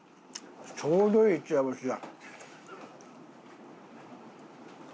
ちょうどいい一夜干しだ。